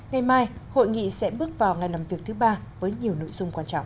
ngày mai hội nghị sẽ bước vào ngày làm việc thứ ba với nhiều nội dung quan trọng